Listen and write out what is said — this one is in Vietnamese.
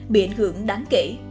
bị ảnh hưởng đáng kể